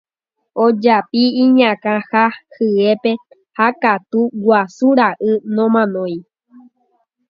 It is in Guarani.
Ojapi iñakã ha hyépe ha katu guasu ra'y nomanói.